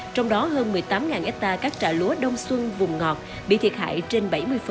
trong đó hơn một mươi tám hectare các trà lúa đông xuân vùng ngọt bị thiệt hại trên bảy mươi